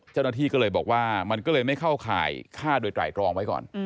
เจ้าหน้าที่ก็เลยบอกว่ามันก็เลยไม่เข้าข่ายฆ่าโดยไตรตรองไว้ก่อน